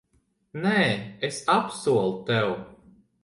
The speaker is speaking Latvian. Nē, es apsolu tev.